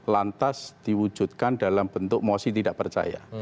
lantas diwujudkan dalam bentuk mosi tidak percaya